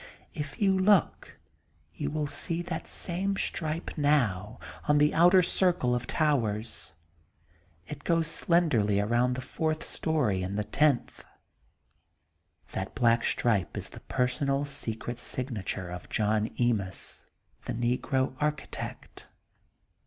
If you look you will see that same stripe now, on the outer circle of towers. It goes slenderly around the fourth story and the tenth. That black stripe is the personal secret signature of John Emis, the negro architect.